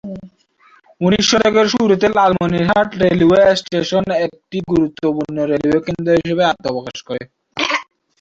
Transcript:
উনিশ শতকের শুরুতে লালমনিরহাট রেলওয়ে স্টেশন একটি গুরুত্বপূর্ণ রেলওয়ে কেন্দ্র হিসাবে আত্মপ্রকাশ করে।